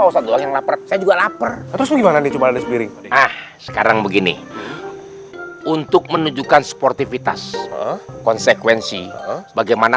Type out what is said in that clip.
sekarang begini untuk menunjukkan sportivitas konsekuensi bagaimana